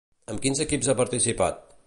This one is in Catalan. Amb quins equips ha participat?